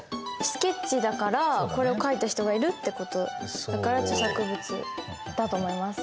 スケッチだからこれを描いた人がいるってことだから著作物だと思います。